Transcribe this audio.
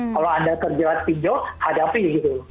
kalau anda kerjaan pinjol hadapi gitu